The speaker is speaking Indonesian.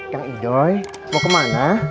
kang idoy mau kemana